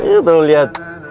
nah itu lihat